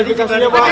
bisa ditanyakan ke